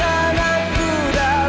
alhamdulillah ya allah